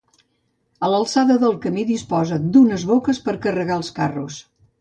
A l'alçada del camí disposa d'unes boques per carregar els carros.